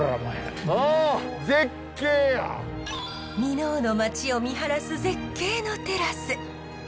箕面の町を見晴らす絶景のテラス。